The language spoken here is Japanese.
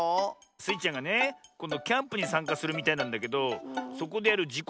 スイちゃんがねこんどキャンプにさんかするみたいなんだけどそこでやるじこ